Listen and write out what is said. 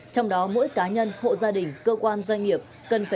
trong đó mỗi cá nhân hộ gia đình cơ quan doanh nghiệp